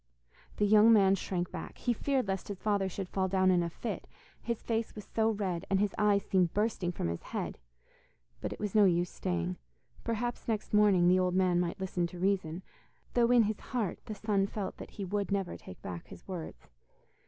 The young man shrank back. He feared lest his father should fall down in a fit, his face was so red and his eyes seemed bursting from his head. But it was no use staying: perhaps next morning the old man might listen to reason, though in his heart the son felt that he would never take back his words.